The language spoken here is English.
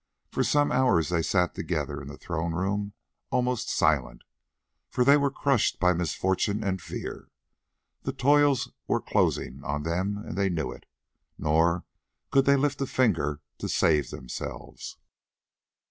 For some hours they sat together in the throne room almost silent, for they were crushed by misfortune and fear; the toils were closing on them, and they knew it, nor could they lift a finger to save themselves.